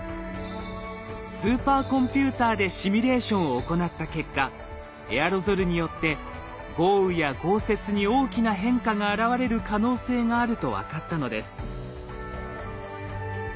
スーパーコンピューターでシミュレーションを行った結果エアロゾルによって豪雨や豪雪に大きな変化が現れる可能性があると分かったのです。